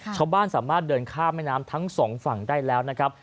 ชาวบ้านสามารถเดินข้ามแม่น้ำทั้งสองฝั่งได้แล้วนะครับ